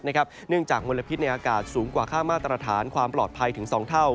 เนื่องจากมลพิษในอากาศสูงกว่าค่ามาตรฐานความปลอดภัยถึง๒เท่า